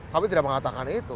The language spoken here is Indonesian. kami tidak mengatakan itu